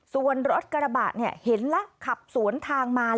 ส่วนรถกระบะเนี่ยเห็นแล้วขับสวนทางมา